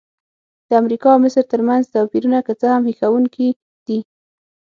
د امریکا او مصر ترمنځ توپیرونه که څه هم هیښوونکي دي.